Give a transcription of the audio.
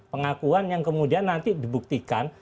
pengakuan yang kemudian nanti dibuktikan